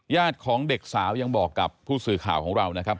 ของเด็กสาวยังบอกกับผู้สื่อข่าวของเรานะครับ